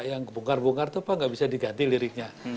yang bungkar bungkar tuh apa nggak bisa diganti liriknya